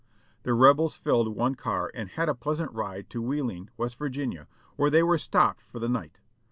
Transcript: The Rebels filled one car and had a pleasant ride to Wheeling, \\'est Virginia, where they were stopped for the night.